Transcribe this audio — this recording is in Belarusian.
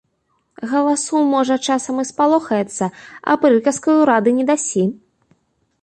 Галасу, можа, часам і спалохаецца, а прыказкаю рады не дасі.